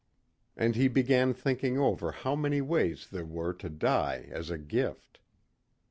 And he began thinking over how many ways there were to die as a gift.